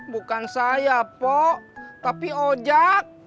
bukan saya pok tapi ojak